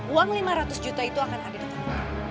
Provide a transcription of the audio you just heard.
uang lima ratus juta itu akan ada di tempat